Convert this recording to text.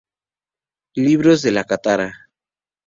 Libros de la Catarata.